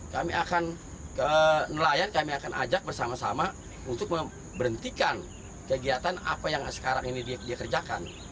kami akan nelayan kami akan ajak bersama sama untuk memberhentikan kegiatan apa yang sekarang ini dia kerjakan